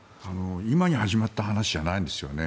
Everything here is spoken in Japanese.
今に始まった話じゃないんですよね。